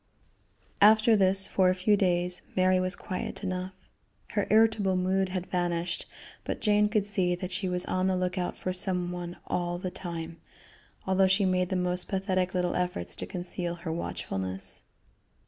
After this, for a few days, Mary was quiet enough. Her irritable mood had vanished, but Jane could see that she was on the lookout for some one all the time, although she made the most pathetic little efforts to conceal her watchfulness.